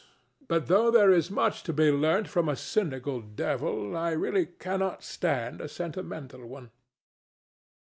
But though there is much to be learnt from a cynical devil, I really cannot stand a sentimental one.